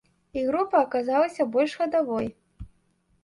Іх група аказалася больш хадавой.